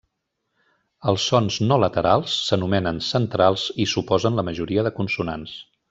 Els sons no laterals s'anomenen centrals i suposen la majoria de consonants.